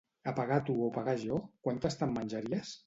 A pagar tu o pagar jo, quantes te'n menjaries?